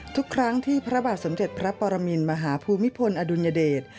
ทุกครั้งที่พระบาทสมเด็จพระปรมินมหาภูมิพลอดุลยเดช